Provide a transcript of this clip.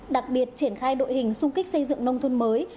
đặc biệt triển khai đội hình sung kích xây dựng nông thuần mới